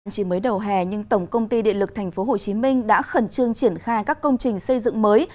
chỉ mới đầu hè nhưng tổng công ty điện lực tp hcm đã khẩn trương triển khai các công trình xây dựng mới